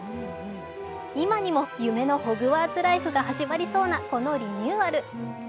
今にも夢のホグワーツライフが始まりそうなこのリニューアル。